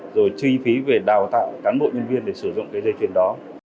rồi chi phí về đào tạo cán bộ nhân viên để sử dụng cái dây chuyền đó